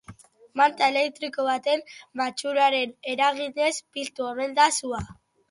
Manta elektriko baten matxuraren eraginez piztu omen da sua.